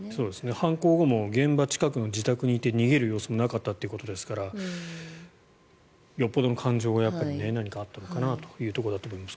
犯行後も現場近くの自宅にいて逃げる様子もなかったということですからよっぽどの感情が何かあったのかなというところだと思います。